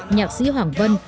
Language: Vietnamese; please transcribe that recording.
nhạc sĩ hoàng vân